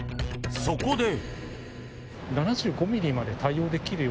そこで。